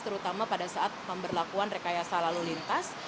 terutama pada saat pemberlakuan rekayasa lalu lintas